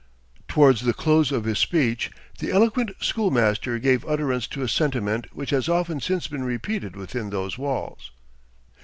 Towards the close of his speech, the eloquent schoolmaster gave utterance to a sentiment which has often since been repeated within those walls.